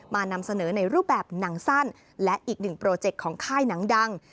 นำเสนอในรูปแบบหนังสั้นและอีกหนึ่งโปรเจคของค่ายหนังดัง